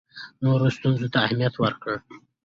د نورو ستونزو ته اهمیت ورکړه.